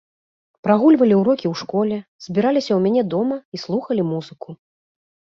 Прагульвалі урокі ў школе, збіраліся ў мяне дома і слухалі музыку.